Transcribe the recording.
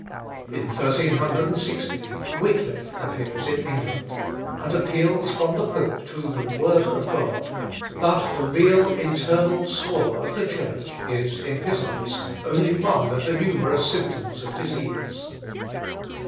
In 1360, Wickliffe appears in England, and appeals from the pope to the word of God, but the real internal sore of the Church is, in his eyes, only one of the numerous symptoms of disease.